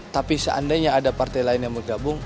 tapi seandainya ada partai lain yang bergabung